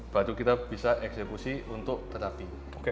baru kita bisa eksekusi untuk terapi